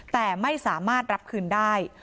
แต่ไม่สามารถรับคืนได้